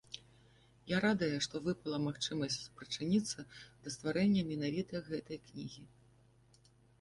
Я радая, што выпала магчымасць спрычыніцца да стварэння менавіта гэтай кнігі.